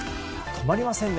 止まりませんね